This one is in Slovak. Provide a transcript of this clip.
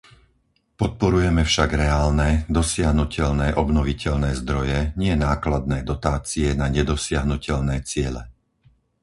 Podporujeme však reálne, dosiahnuteľné obnoviteľné zdroje, nie nákladné dotácie na nedosiahnuteľné ciele.